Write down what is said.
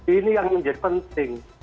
ini yang menjadi penting